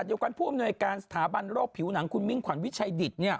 ถัดอยู่กับผู้อำนวยการสถาบันโรคผิวหนังคุณมิ้งควันวิชัยดิต